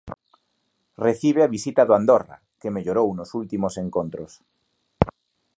Recibe a visita do Andorra, que mellorou nos últimos encontros.